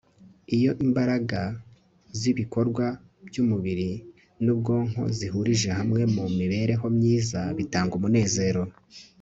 iyo imbaraga z'ibikorwa by'umubiri n'ubwonko zihurije hamwe mu mibereho myiza bitanga umunezero